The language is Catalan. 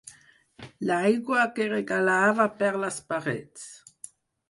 L'aigua que regalava per les parets.